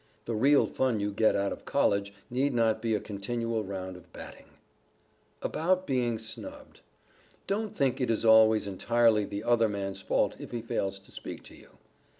The real fun you get out of College need not be a continual round of batting. [Sidenote: ABOUT BEING SNUBBED] Don't think it is always entirely the other man's fault if he fails to speak to you.